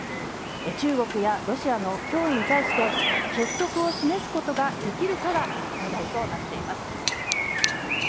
中国やロシアの脅威に対して、結束を示すことができるかが課題となっています。